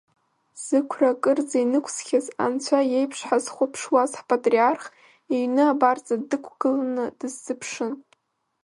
Зықәра акырӡа инықәсхьаз, анцәа иеиԥш ҳазхәаԥшуаз ҳпатриарх, иҩны абарҵа дықәгыланы дысзыԥшын.